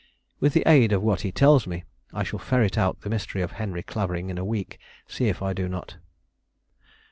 "With the aid of what he tells me, I shall ferret out the mystery of Henry Clavering in a week; see if I do not."